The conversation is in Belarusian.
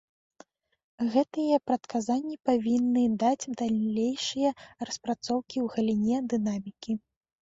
Гэтыя прадказанні павінны даць далейшыя распрацоўкі ў галіне дынамікі.